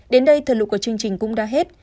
đến đây thời lượng của chương trình cũng đã hết